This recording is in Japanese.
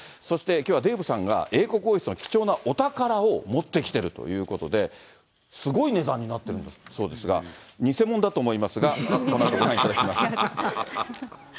そしてきょうはデーブさんが英国王室の貴重なお宝を持ってきてるということで、すごい値段になってるそうですが、偽もんだと思いますが、このあとご覧いただきます。